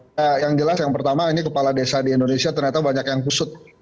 ya yang jelas yang pertama ini kepala desa di indonesia ternyata banyak yang kusut